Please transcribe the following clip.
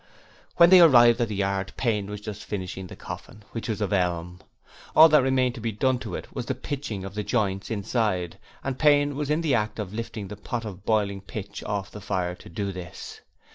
When they arrived at the yard, Payne was just finishing the coffin, which was of elm. All that remained to be done to it was the pitching of the joints inside and Payne was in the act of lifting the pot of boiling pitch off the fire to do this.